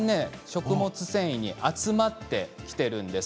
食物繊維に集まってきてるんです。